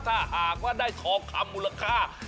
ถ้าหากว่าได้ทองคำมูลค่า